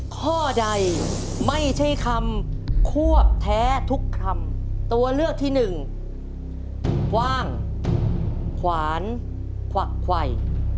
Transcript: ข้อใดไม่ใช่คำควบแท้ทุกคำตัวเลือกที่หนึ่งกว้างขวานขวักไขว